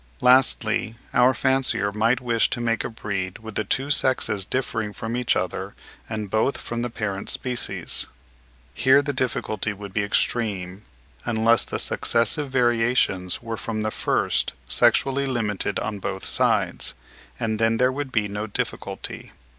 Lastly, our fancier might wish to make a breed with the two sexes differing from each other, and both from the parent species. Here the difficulty would be extreme, unless the successive variations were from the first sexually limited on both sides, and then there would be no difficulty.